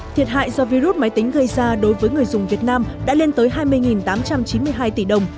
thiệt hại do virus máy tính gây ra đối với người dùng việt nam đã lên tới hai mươi tám trăm chín mươi hai tỷ đồng